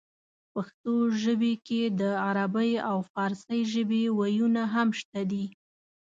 پښتو ژبې کې د عربۍ او پارسۍ ژبې وييونه هم شته دي